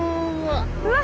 うわ！